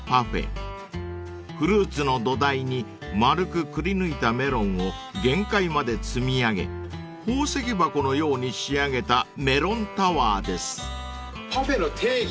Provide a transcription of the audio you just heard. ［フルーツの土台に丸くくりぬいたメロンを限界まで積み上げ宝石箱のように仕上げたメロンタワーです］